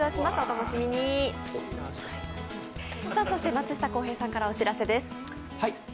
松下洸平さんからお知らせです。